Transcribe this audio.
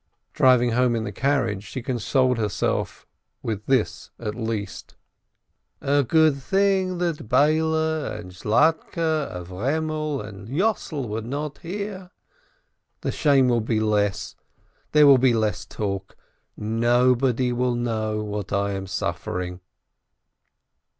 Driving home in the carriage, she consoled herself with this at least : "A good thing that Beile and Zlatke, Avremel and Yossel were not there. The shame will be less, there will be less talk, nobody will know what I am suffering."